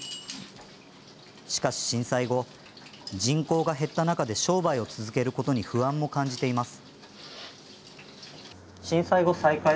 しかし震災後、人口が減った中で商売を続けることに不安も感じています。